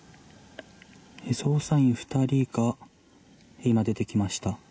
捜査員２人が今、出てきました。